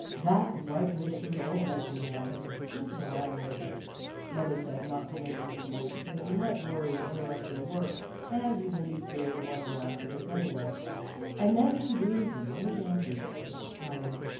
That white whis kered old medicine man has been sneak ing around lately. Mother said not to mention it to you, because you might worry and interrupt your work, and you will be through in one year after this any way. And then she breathed way down deep, and looked tired.